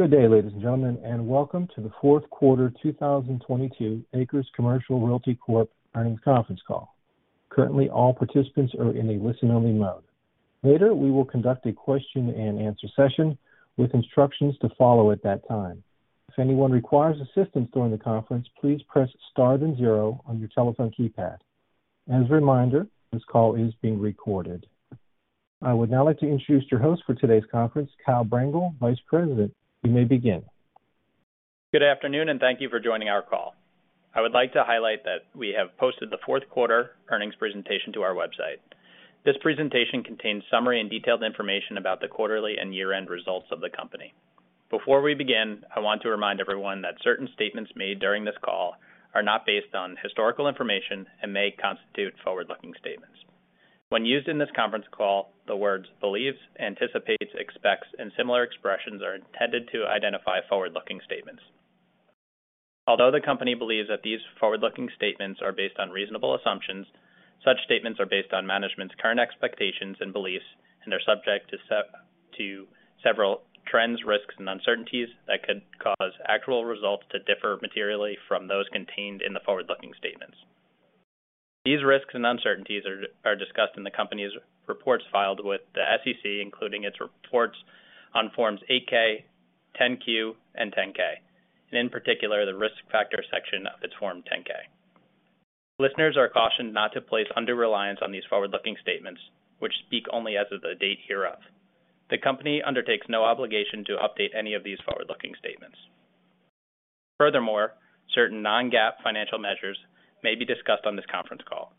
Good day, ladies and gentlemen, welcome to the Fourth Quarter 2022 ACRES Commercial Realty Corp Earnings Conference Call. Currently, all participants are in a listen-only mode. Later, we will conduct a question and answer session with instructions to follow at that time. If anyone requires assistance during the conference, please press star then zero on your telephone keypad. As a reminder, this call is being recorded. I would now like to introduce your host for today's conference, Kyle Brengel, Vice President. You may begin. Good afternoon. Thank you for joining our call. I would like to highlight that we have posted the fourth quarter earnings presentation to our website. This presentation contains summary and detailed information about the quarterly and year-end results of the company. Before we begin, I want to remind everyone that certain statements made during this call are not based on historical information and may constitute forward-looking statements. When used in this conference call, the words believes, anticipates, expects, and similar expressions are intended to identify forward-looking statements. Although the Company believes that these forward-looking statements are based on reasonable assumptions, such statements are based on management's current expectations and beliefs and are subject to several trends, risks, and uncertainties that could cause actual results to differ materially from those contained in the forward-looking statements. These risks and uncertainties are discussed in the company's reports filed with the SEC, including its reports on Forms 8-K, 10-Q, and 10-K, and in particular, the Risk Factors section of its Form 10-K. Listeners are cautioned not to place under reliance on these forward-looking statements, which speak only as of the date hereof. The company undertakes no obligation to update any of these forward-looking statements. Furthermore, certain non-GAAP financial measures may be discussed on this conference call.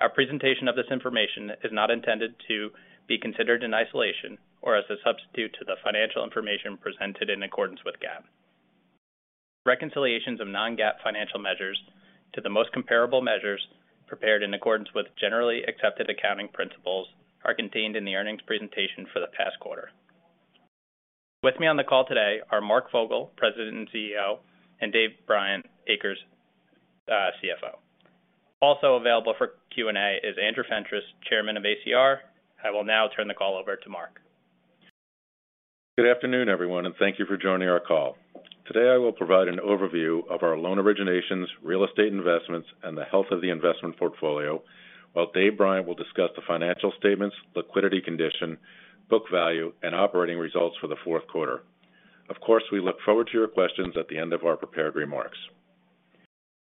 Our presentation of this information is not intended to be considered in isolation or as a substitute to the financial information presented in accordance with GAAP. Reconciliations of non-GAAP financial measures to the most comparable measures prepared in accordance with generally accepted accounting principles are contained in the earnings presentation for the past quarter. With me on the call today are Mark Fogel, President and CEO, and Dave Bryant, ACRES CFO. Also available for Q&A is Andrew Fentress, Chairman of ACR. I will now turn the call over to Mark. Good afternoon, everyone. Thank you for joining our call. Today, I will provide an overview of our loan originations, real estate investments, and the health of the investment portfolio, while Dave Bryant will discuss the financial statements, liquidity condition, book value, and operating results for the fourth quarter. Of course, we look forward to your questions at the end of our prepared remarks.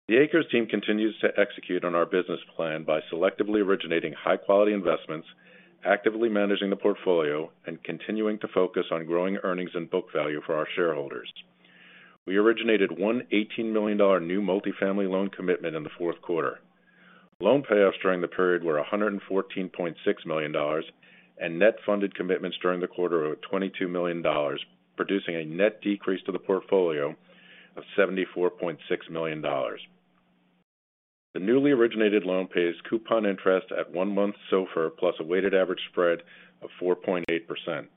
The ACRES team continues to execute on our business plan by selectively originating high-quality investments, actively managing the portfolio, and continuing to focus on growing earnings and book value for our shareholders. We originated a $118 million new multi-family loan commitment in the fourth quarter. Loan payoffs during the period were $114.6 million, and net funded commitments during the quarter were $22 million, producing a net decrease to the portfolio of $74.6 million. The newly originated loan pays coupon interest at one month SOFR plus a weighted average spread of 4.8%.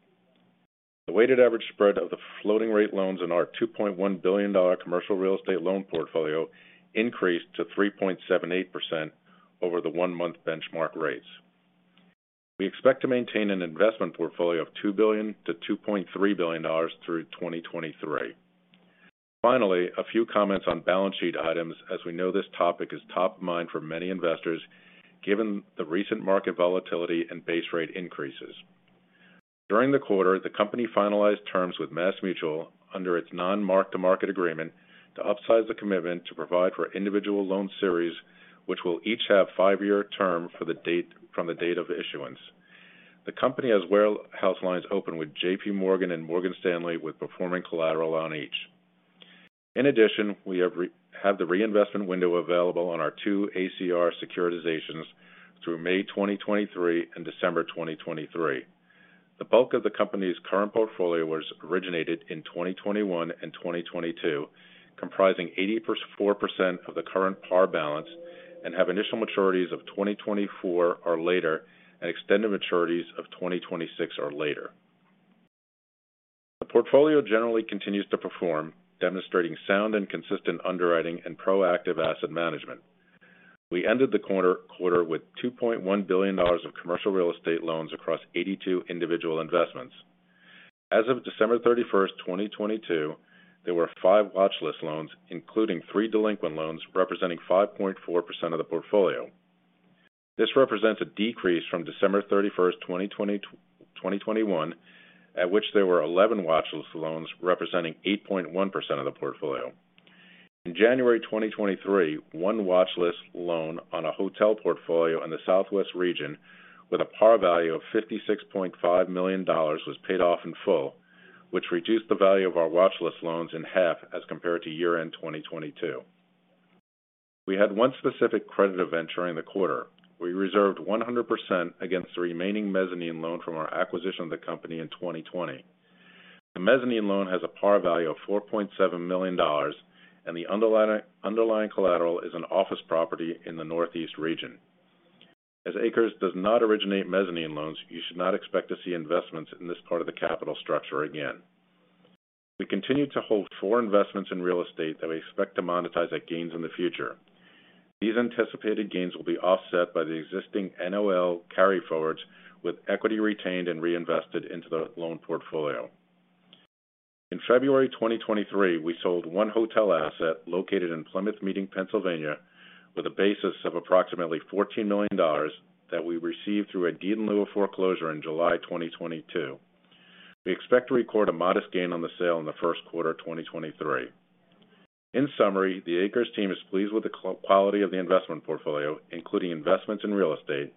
The weighted average spread of the floating rate loans in our $2.1 billion commercial real estate loan portfolio increased to 3.78% over the one-month benchmark rates. We expect to maintain an investment portfolio of $2 billion-$2.3 billion through 2023. A few comments on balance sheet items, as we know this topic is top of mind for many investors, given the recent market volatility and base rate increases. During the quarter, the company finalized terms with MassMutual under its non-mark-to-market agreement to upsize the commitment to provide for individual loan series, which will each have five year term from the date of issuance. The company has warehouse lines open with J.P. Morgan and Morgan Stanley with performing collateral on each. In addition, we have the reinvestment window available on our two ACR securitizations through May 2023 and December 2023. The bulk of the company's current portfolio was originated in 2021 and 2022, comprising 84% of the current par balance and have initial maturities of 2024 or later and extended maturities of 2026 or later. The portfolio generally continues to perform, demonstrating sound and consistent underwriting and proactive asset management. We ended the quarter with $2.1 billion of commercial real estate loans across 82 individual investments. As of December 31st, 2022, there were five watch list loans, including three delinquent loans, representing 5.4% of the portfolio. This represents a decrease from December 31st, 2021, at which there were 11 watch list loans, representing 8.1% of the portfolio. In January 2023, one watch list loan on a hotel portfolio in the southwest region with a par value of $56.5 million was paid off in full, which reduced the value of our watch list loans in half as compared to year-end 2022. We had one specific credit event during the quarter. We reserved 100% against the remaining mezzanine loan from our acquisition of the company in 2020. The mezzanine loan has a par value of $4.7 million, the underlying collateral is an office property in the northeast region. As ACRES does not originate mezzanine loans, you should not expect to see investments in this part of the capital structure again. We continue to hold four investments in real estate that we expect to monetize at gains in the future. These anticipated gains will be offset by the existing NOL carryforwards with equity retained and reinvested into the loan portfolio. In February 2023, we sold one hotel asset located in Plymouth Meeting, Pennsylvania, with a basis of approximately $14 million that we received through a deed in lieu of foreclosure in July 2022. We expect to record a modest gain on the sale in the first quarter of 2023. In summary, the ACRES team is pleased with the quality of the investment portfolio, including investments in real estate,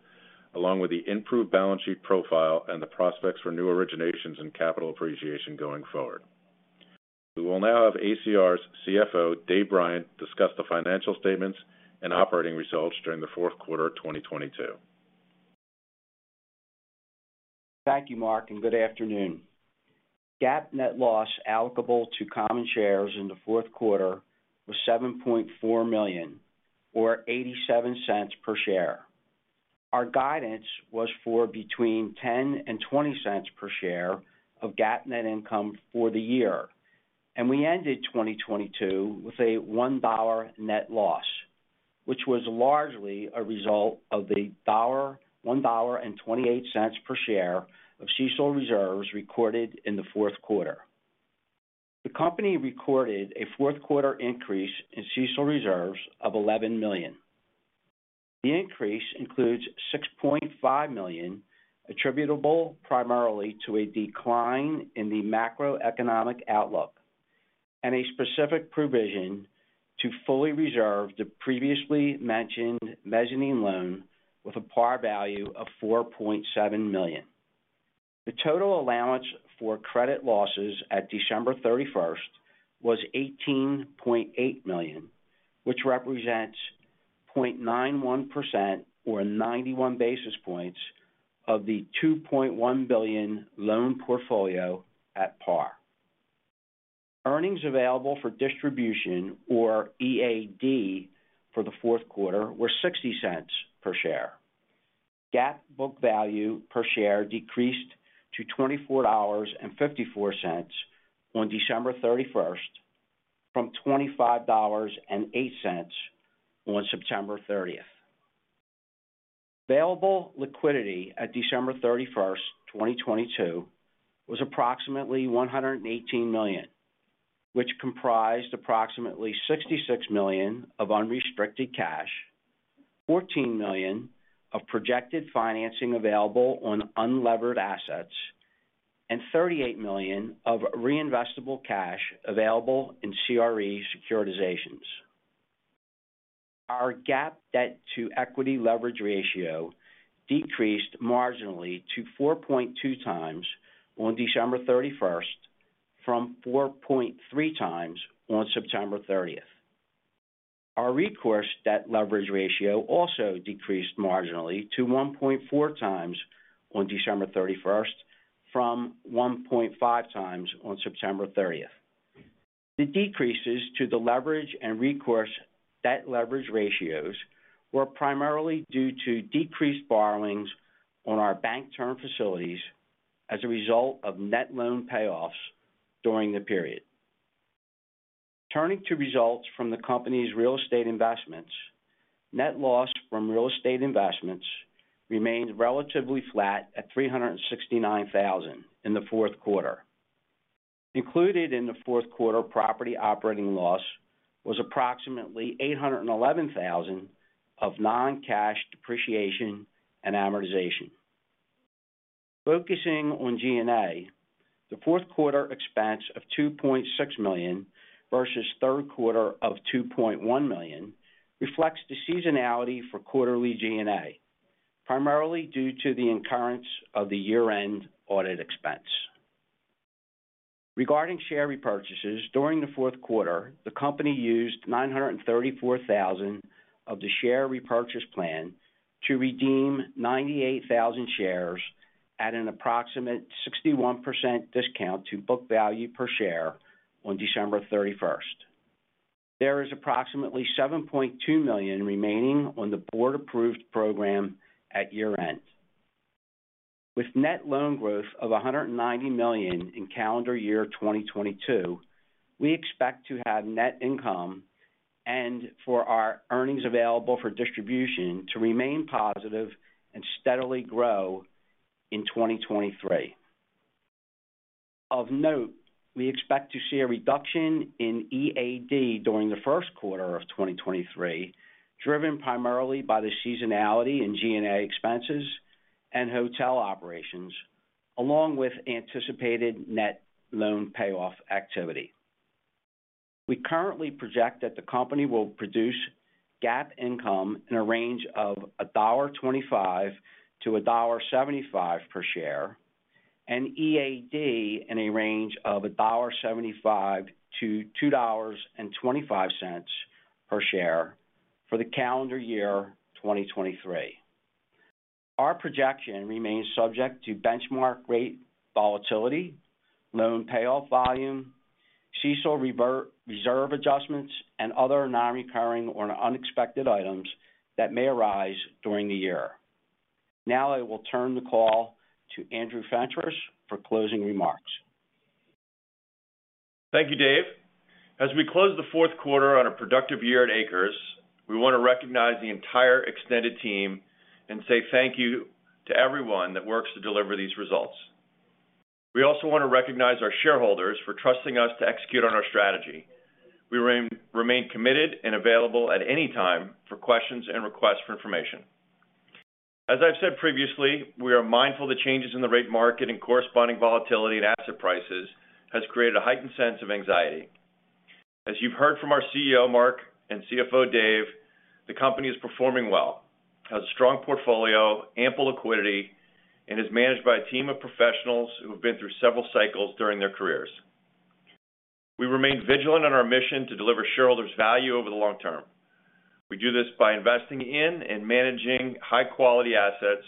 along with the improved balance sheet profile and the prospects for new originations and capital appreciation going forward. We will now have ACR's CFO, Dave Bryant, discuss the financial statements and operating results during the fourth quarter of 2022. Thank you, Mark. Good afternoon. GAAP net loss applicable to common shares in the fourth quarter was $7.4 million or $0.87 per share. Our guidance was for between $0.10 and $0.20 per share of GAAP net income for the year. We ended 2022 with a $1 net loss, which was largely a result of $1.28 per share of CECL reserves recorded in the fourth quarter. The company recorded a fourth quarter increase in CECL reserves of $11 million. The increase includes $6.5 million attributable primarily to a decline in the macroeconomic outlook and a specific provision to fully reserve the previously mentioned mezzanine loan with a par value of $4.7 million. The total allowance for credit losses at December 31st was $18.8 million, which represents 0.91%, or 91 basis points, of the $2.1 billion loan portfolio at par. Earnings available for distribution or EAD for the fourth quarter were $0.60 per share. GAAP book value per share decreased to $24.54 on December 31st from $25.08 on September 30th. Available liquidity at December 31st, 2022 was approximately $118 million, which comprised approximately $66 million of unrestricted cash, $14 million of projected financing available on unlevered assets, and $38 million of reinvestable cash available in CRE securitizations. Our GAAP debt-to-equity leverage ratio decreased marginally to 4.2x on December 31st from 4.3x on September 30th. Our recourse debt leverage ratio also decreased marginally to 1.4x on December 31st from 1.5x on September 30th. The decreases to the leverage and recourse debt leverage ratios were primarily due to decreased borrowings on our bank term facilities as a result of net loan payoffs during the period. Turning to results from the company's real estate investments. Net loss from real estate investments remained relatively flat at $369,000 in the fourth quarter. Included in the fourth quarter property operating loss was approximately $811,000 of non-cash depreciation and amortization. Focusing on G&A, the fourth quarter expense of $2.6 million versus third quarter of $2.1 million reflects the seasonality for quarterly G&A, primarily due to the incurrence of the year-end audit expense. Regarding share repurchases, during the fourth quarter, the company used $934,000 of the share repurchase program to redeem 98,000 shares at an approximate 61% discount to book value per share on December 31st. There is approximately $7.2 million remaining on the board-approved program at year-end. With net loan growth of $190 million in calendar year 2022, we expect to have net income and for our earnings available for distribution to remain positive and steadily grow in 2023. Of note, we expect to see a reduction in EAD during the first quarter of 2023, driven primarily by the seasonality in G&A expenses and hotel operations, along with anticipated net loan payoff activity. We currently project that the company will produce GAAP income in a range of $1.25-$1.75 per share, and EAD in a range of $1.75-$2.25 per share for the calendar year 2023. Our projection remains subject to benchmark rate volatility, loan payoff volume, CECL reserve adjustments, and other non-recurring or unexpected items that may arise during the year. I will turn the call to Andrew Fentress for closing remarks Thank you, Dave. As we close the fourth quarter on a productive year at ACRES, we want to recognize the entire extended team and say thank you to everyone that works to deliver these results. We also want to recognize our shareholders for trusting us to execute on our strategy. We remain committed and available at any time for questions and requests for information. As I've said previously, we are mindful the changes in the rate market and corresponding volatility in asset prices has created a heightened sense of anxiety. As you've heard from our CEO, Mark, and CFO, Dave, the company is performing well, has a strong portfolio, ample liquidity, and is managed by a team of professionals who have been through several cycles during their careers. We remain vigilant on our mission to deliver shareholders value over the long term. We do this by investing in and managing high-quality assets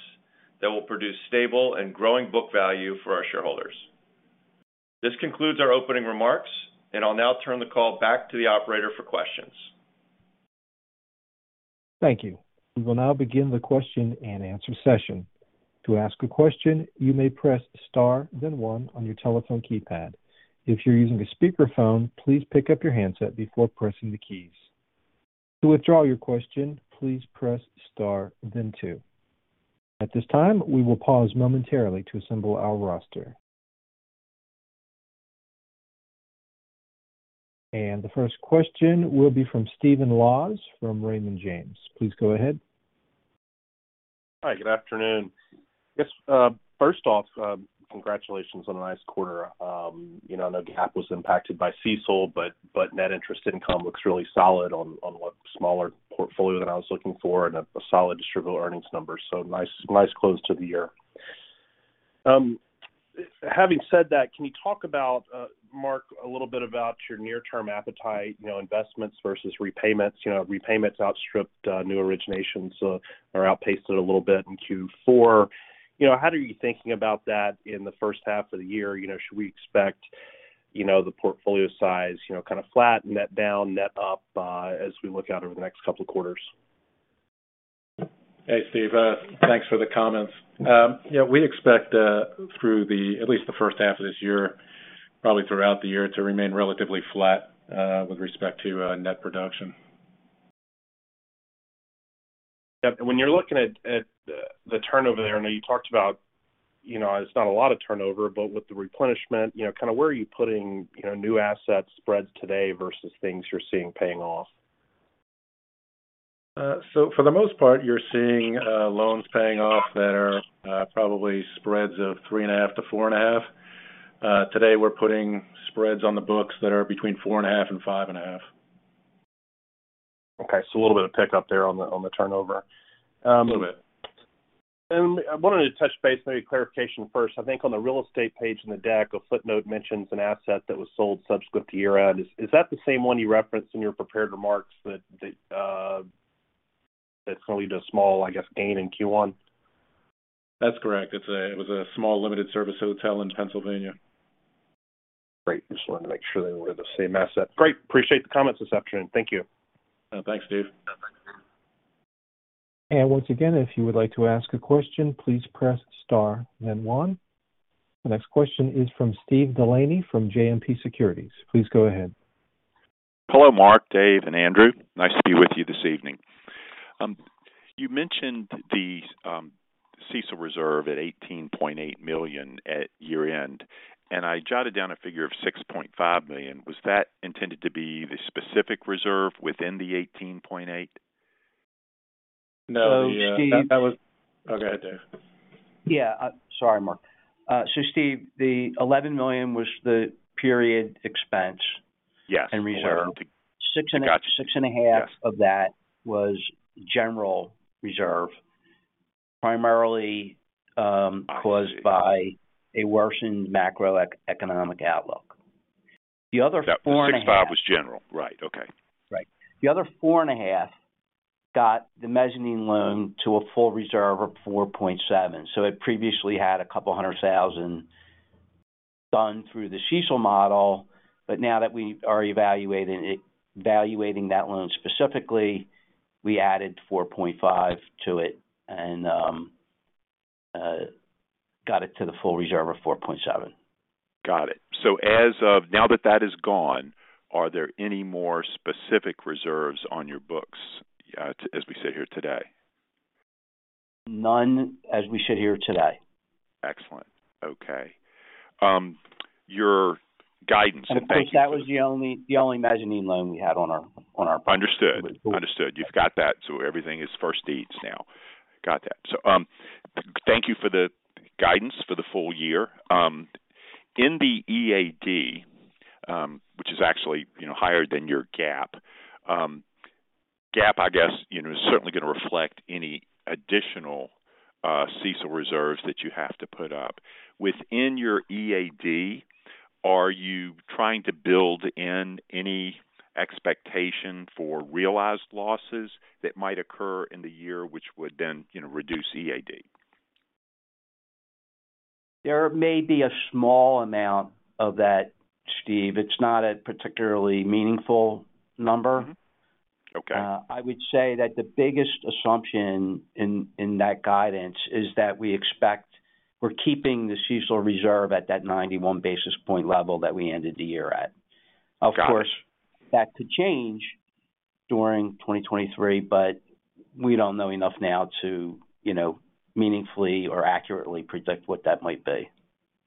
that will produce stable and growing book value for our shareholders. This concludes our opening remarks. I'll now turn the call back to the operator for questions. Thank you. We will now begin the question-and-answer session. To ask a question, you may press star, then one on your telephone keypad. If you're using a speakerphone, please pick up your handset before pressing the keys. To withdraw your question, please press star then two. At this time, we will pause momentarily to assemble our roster. The first question will be from Stephen Laws from Raymond James. Please go ahead. Hi. Good afternoon. First off, congratulations on a nice quarter. You know, the GAAP was impacted by CECL, but net interest income looks really solid on what smaller portfolio than I was looking for and a solid distributable earnings number. Nice close to the year. Having said that, can you talk about Mark, a little bit about your near-term appetite, you know, investments versus repayments? You know, repayments outstripped new originations or outpaced it a little bit in Q4. You know, how are you thinking about that in the first half of the year? You know, should we expect, you know, the portfolio size, you know, kind of flat, net down, net up, as we look out over the next couple of quarters? Hey, Steve. Thanks for the comments. Yeah, we expect through the at least the first half of this year, probably throughout the year, to remain relatively flat with respect to net production. When you're looking at the turnover there, I know you talked about, you know, it's not a lot of turnover, but with the replenishment, you know, kind of where are you putting, you know, new assets spreads today versus things you're seeing paying off? For the most part, you're seeing loans paying off that are probably spreads of 3.5%-4.5%. Today we're putting spreads on the books that are between 4.5% and 5.5%. Okay. A little bit of pickup there on the, on the turnover. A little bit. I wanted to touch base, maybe clarification first. I think on the real estate page in the deck, a footnote mentions an asset that was sold subsequent to year-end. Is that the same one you referenced in your prepared remarks that's going to lead to a small, I guess, gain in Q1? That's correct. It was a small limited service hotel in Pennsylvania. Great. Just wanted to make sure they were the same asset. Great. Appreciate the comments this afternoon. Thank you. Thanks, Steve. Once again, if you would like to ask a question, please press star then one. The next question is from Steve Delaney from JMP Securities. Please go ahead. Hello, Mark, Dave, and Andrew. Nice to be with you this evening. You mentioned the CECL reserve at $18.8 million at year-end. I jotted down a figure of $6.5 million. Was that intended to be the specific reserve within the $18.8? No. Steve. That was... Go ahead, Dave. Yeah. Sorry, Mark. Steve, the $11 million was the period expense- Yes. -and reserve. Six and a- Got you. 6.5 of that was general reserve, primarily, caused by a worsened macroeconomic outlook. 65 was general. Right. Okay. Right. The other 4.5 got the mezzanine loan to a full reserve of $4.7. It previously had a $200,000 done through the CECL model. Now that we are evaluating it, evaluating that loan specifically, we added $4.5 to it and got it to the full reserve of $4.7. Got it. As of Now that that is gone, are there any more specific reserves on your books as we sit here today? None as we sit here today. Excellent. Okay. Your guidance- Of course, that was the only mezzanine loan we had on our books. Understood. Understood. You've got that. Everything is first deeds now. Got that. Thank you for the guidance for the full year. In the EAD, which is actually, you know, higher than your GAAP. GAAP, I guess, you know, is certainly going to reflect any additional, CECL reserves that you have to put up. Within your EAD, are you trying to build in any expectation for realized losses that might occur in the year, which would then, you know, reduce EAD? There may be a small amount of that, Steve. It's not a particularly meaningful number. I would say that the biggest assumption in that guidance is that we expect we're keeping the CECL reserve at that 91 basis point level that we ended the year at. Got it. That could change during 2023, but we don't know enough now to, you know, meaningfully or accurately predict what that might be.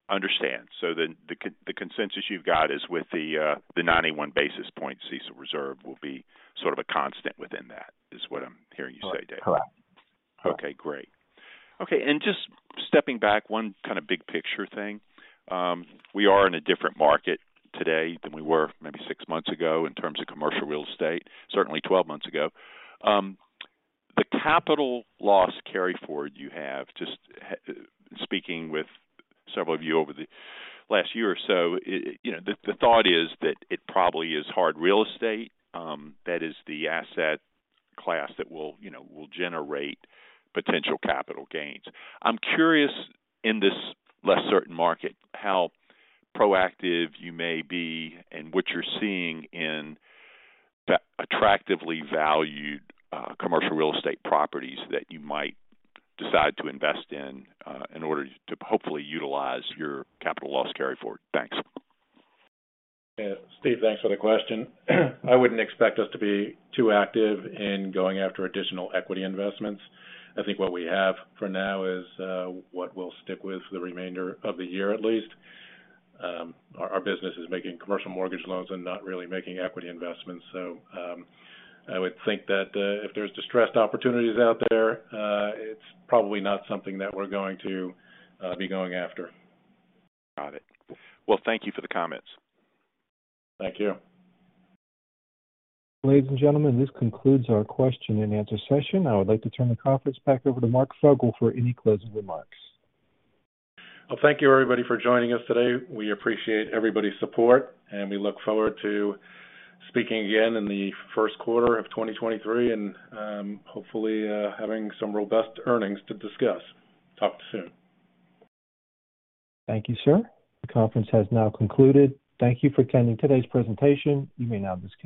Understand. The consensus you've got is with the 91 basis points CECL reserve will be sort of a constant within that, is what I'm hearing you say, Dave. Correct. Okay, great. Just stepping back, one kind of big picture thing. We are in a different market today than we were maybe six months ago in terms of commercial real estate. Certainly 12 months ago. The capital loss carryforward you have, just speaking with several of you over the last year or so, it, you know, the thought is that it probably is hard real estate that is the asset class that will, you know, generate potential capital gains. I'm curious, in this less certain market, how proactive you may be and what you're seeing in the attractively valued commercial real estate properties that you might decide to invest in in order to hopefully utilize your capital loss carryforward. Thanks. Yeah. Steve, thanks for the question. I wouldn't expect us to be too active in going after additional equity investments. I think what we have for now is what we'll stick with for the remainder of the year at least. Our business is making commercial mortgage loans and not really making equity investments. I would think that if there's distressed opportunities out there, it's probably not something that we're going to be going after. Got it. Well, thank you for the comments. Thank you. Ladies and gentlemen, this concludes our question and answer session. I would like to turn the conference back over to Mark Fogel for any closing remarks. Well, thank you, everybody, for joining us today. We appreciate everybody's support, and we look forward to speaking again in the first quarter of 2023 and, hopefully, having some robust earnings to discuss. Talk to you soon. Thank you, sir. The conference has now concluded. Thank you for attending today's presentation. You may now disconnect.